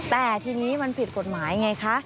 แต่ทีนี้มันผิดกฎหมายไงคะ